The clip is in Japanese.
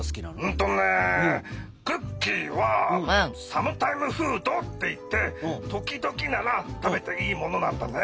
うんとねクッキーはサムタイムフードっていって時々なら食べていいものなんだね。